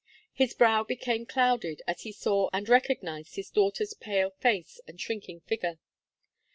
His brow became clouded, as he saw and recognized his daughter's pale face and shrinking figure.